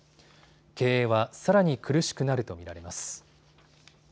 経営はさらに苦しくなると見られます。